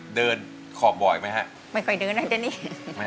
อันดับนี้เป็นแบบนี้